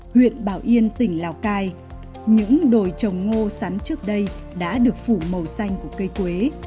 huyện bảo yên tỉnh lào cai những đồi trồng ngô sắn trước đây đã được phủ màu xanh của cây quế